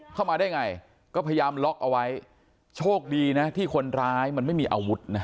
เข้ามาได้ไงก็พยายามล็อกเอาไว้โชคดีนะที่คนร้ายมันไม่มีอาวุธนะ